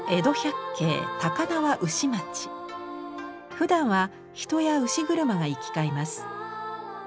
ふだんは人や牛車が行き交います。